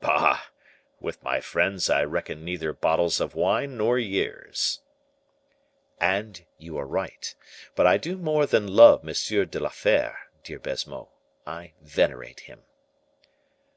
"Bah! with my friends I reckon neither bottles of wine nor years." "And you are right. But I do more than love M. de la Fere, dear Baisemeaux; I venerate him."